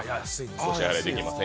お支払いできません。